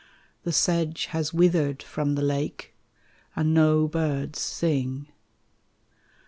The sedge has withered from the lake, And no birds sing.